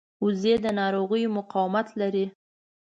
وزې د ناروغیو مقاومت لري